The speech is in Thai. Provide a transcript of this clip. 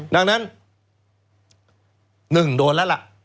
ดังนั้น๑โดนแล้วล่ะ